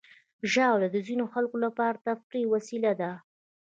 ژاوله د ځینو خلکو لپاره تفریحي وسیله ده.